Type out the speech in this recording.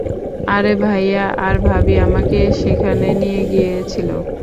আরে, ভাইয়া আর ভাবি আমাকে সেখানে নিয়ে গিয়েছিল।